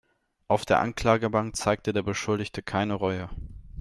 Auf der Anklagebank zeigte der Beschuldigte keine Reue.